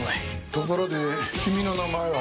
ところで君の名前は？